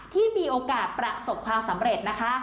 ที่มีโอกาสประสบความสำเร็จนะคะ